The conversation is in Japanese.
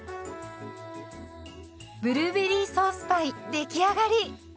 ブルーベリーソースパイ出来上がり。